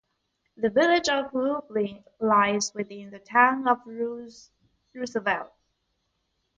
The village of Lublin lies within the town of Roosevelt.